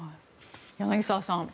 柳澤さん